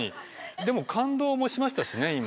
でも感動もしましたしね今。